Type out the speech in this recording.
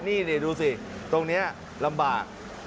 นี่ดูสิตรงนี้ลำบาก